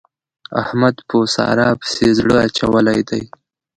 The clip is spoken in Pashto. احمد په سارا پسې زړه اچولی دی.